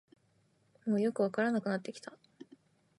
もうよくわからなくなってきた